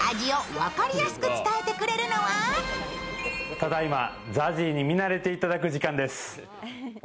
ただいまＺＡＺＹに見慣れていたただく時間です。